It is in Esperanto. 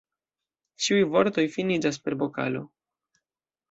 Ĉiuj vortoj finiĝas per vokalo.